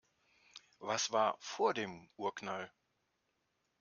Was war vor dem Urknall?